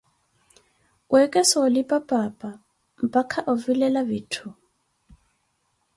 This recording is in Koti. weekesa olipa paapa, mpakha ovilela vitthu.